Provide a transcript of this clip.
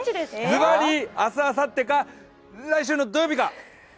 ズバリ、明日あさってか来週の土曜日か！